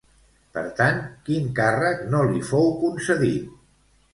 Per tant, quin càrrec no li fou concedit?